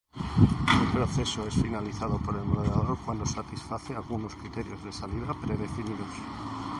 El proceso es finalizado por el moderador cuando satisface algunos criterios de salida predefinidos.